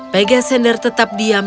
pegasender tetap diam